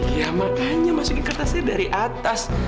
ya makanya masukin kertasnya dari atas